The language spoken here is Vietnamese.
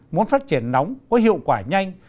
muốn phát triển nóng có hiệu quả nhanh